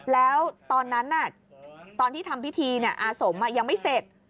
แล้วตอนนั้นตอนที่ทำพิธีอาสมยังไม่เสร็จ